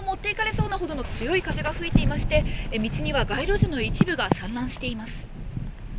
時々、体を持っていかれそうなほどの強い風が吹いていまして、道には街路樹の一部が散乱しています。